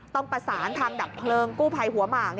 ต้องประสานทางดับเพลิงกู้ภัยหัวหมาก